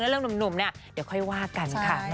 เรื่องหนุ่มเนี่ยเดี๋ยวค่อยว่ากันค่ะ